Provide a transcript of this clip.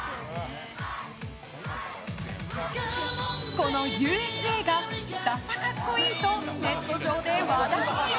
この「Ｕ．Ｓ．Ａ．」がダサカッコいいとネット上で話題に。